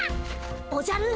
おじゃる。